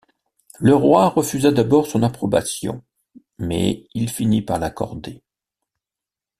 Le roi refusa d’abord son approbation, mais il finit par l’accorder.